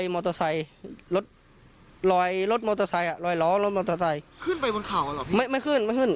เป็นรถหลอยร้อแบบไหน